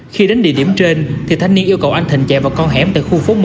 khi đến địa điểm trên thì thanh niên yêu cầu anh thịnh chạy vào con hẻm tại khu phố một